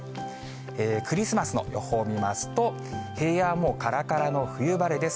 クリスマスの予報を見ますと、平野はもうからからの冬晴れです。